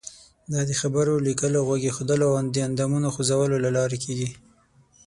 دا د خبرو، لیکلو، غوږ ایښودلو او د اندامونو خوځولو له لارې کیږي.